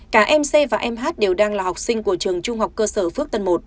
cả mc và mh đều đang là học sinh của trường trung học cơ sở phước tân một